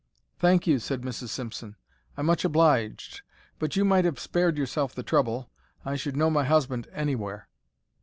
"Thank you," said Mrs. Simpson. "I'm much obliged. But you might have spared yourself the trouble. I should know my husband anywhere."